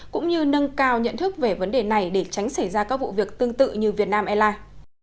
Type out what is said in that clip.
cũng như nâng cao nhận thức về vấn đề này để tránh xảy ra các vụ việc tương tự như vietnam airlines